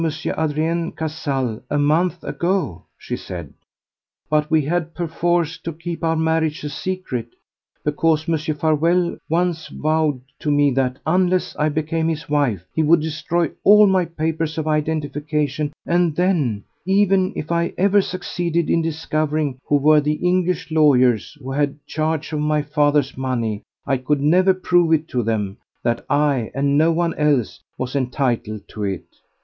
Adrien Cazalès a month ago," she said, "but we had perforce to keep our marriage a secret, because Mr. Farewell once vowed to me that unless I became his wife he would destroy all my papers of identification, and then—even if I ever succeeded in discovering who were the English lawyers who had charge of my father's money—I could never prove it to them that I and no one else was entitled to it.